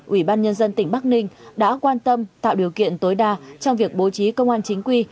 ủy ban nhân dân tỉnh bắc ninh đã quan tâm tạo điều kiện tối đa trong việc bố trí công an chính quy